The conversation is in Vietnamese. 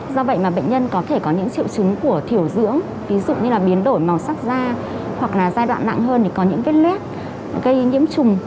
do vậy bệnh nhân có thể có những triệu chứng của thiểu dưỡng ví dụ như biến đổi màu sắc da hoặc là giai đoạn nặng hơn có những vết lét gây nhiễm trùng